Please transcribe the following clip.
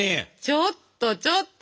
ちょっとちょっと！